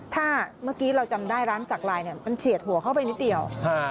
ถ้าเมื่อกี้เราจำได้ร้านสักลายเนี่ยมันเฉียดหัวเข้าไปนิดเดียว